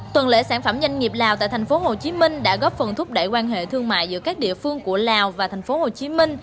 tuần lễ sản phẩm doanh nghiệp lào tại tp hcm đã góp phần thúc đẩy quan hệ thương mại giữa các địa phương của lào và tp hcm